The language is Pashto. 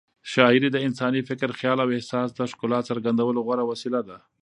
شاعري د انساني فکر، خیال او احساس د ښکلا څرګندولو غوره وسیله ده.